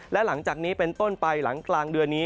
และหลังจากนี้เป็นต้นไปหลังกลางเดือนนี้